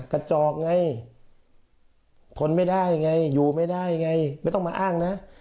กระจอกไงทนไม่ได้ไงอยู่ไม่ได้ไงไม่ต้องมาอ้างนะ